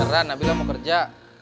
seran abilah mau kerja